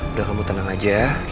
udah kamu tenang aja